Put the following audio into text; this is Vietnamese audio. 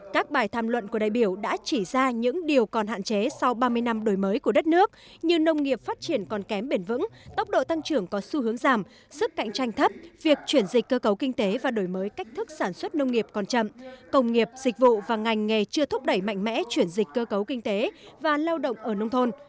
các bài tham luận của đại biểu đã chỉ ra những điều còn hạn chế sau ba mươi năm đổi mới của đất nước như nông nghiệp phát triển còn kém bền vững tốc độ tăng trưởng có xu hướng giảm sức cạnh tranh thấp việc chuyển dịch cơ cấu kinh tế và đổi mới cách thức sản xuất nông nghiệp còn chậm công nghiệp dịch vụ và ngành nghề chưa thúc đẩy mạnh mẽ chuyển dịch cơ cấu kinh tế và lao động ở nông thôn